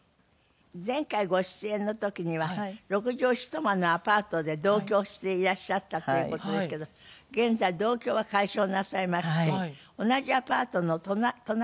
前回ご出演の時には６畳一間のアパートで同居をしていらっしゃったという事ですけど現在同居は解消なさいまして同じアパートの隣？